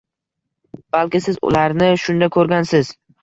Balki siz ularni shunda ko’rgansiz?